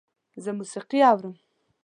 زه موسیقي اورم